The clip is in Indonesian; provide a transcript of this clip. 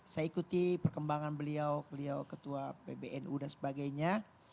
saya ikuti perkembangan beliau beliau ketua pbnu dan sebagainya